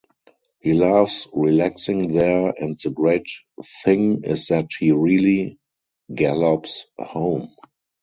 He loves relaxing there and the great thing is that he really gallops home.